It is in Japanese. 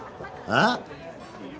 ああ？